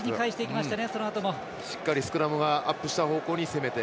しっかりスクラムがアップした方向に攻めて。